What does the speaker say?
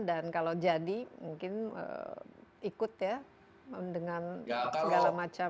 dan kalau jadi mungkin ikut ya dengan segala macam